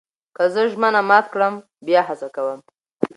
که زه ژمنه مات کړم، بیا هڅه کوم.